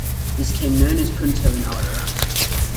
This came to be known as "punto in aria".